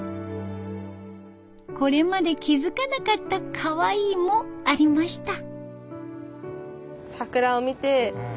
これまで気付かなかったカワイイもありました。